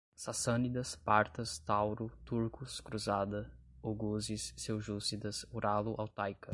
Sassânidas, Partas, Tauro, turcos, cruzada, oguzes, seljúcidas, uralo-altaica